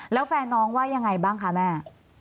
แล้วแฟนน้องว่ายังไงบ้างคะแม่